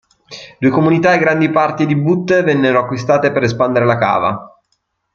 Due comunità e grandi parti di Butte vennero acquistate per espandere la cava.